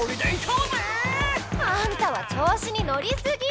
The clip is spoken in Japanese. あんたはちょう子にのりすぎ！